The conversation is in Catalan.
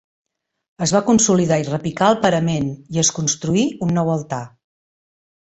Es va consolidar i repicar el parament i es construí un nou altar.